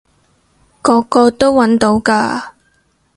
個個都搵到㗎